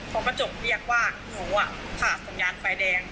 พอกระจกเรียกว่าหนูผ่าสัญญาณไฟแดง